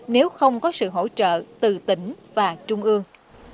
nếu không có sự hỗ trợ từ tỉnh và trung ương